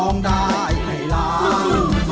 ร้องได้ให้ร้อง